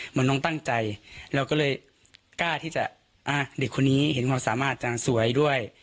เหมือนน้องตั้งใจเราก็เลยกล้าที่จะเด็กคนนี้เห็นความสามารถจะสวยด้วย